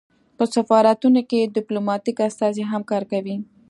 په سفارتونو کې ډیپلوماتیک استازي هم کار کوي